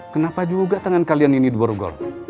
kenapa juga tangan kalian ini di borgol